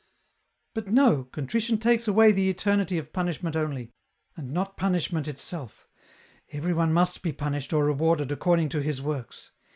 " But no, contrition takes away the eternity of punishment only, and not punishment itself ; everyone must be punished or rewarded according to his works.